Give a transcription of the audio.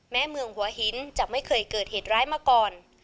แม้เมืองหัวหินจะไม่เคยเกิดเหตุร้ายมาก่อน